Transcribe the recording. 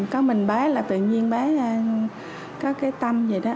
có mình bá là tự nhiên bá có cái tâm vậy đó